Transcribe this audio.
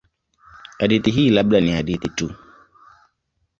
Hadithi hii labda ni hadithi tu.